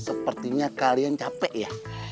sepertinya kalian capek ya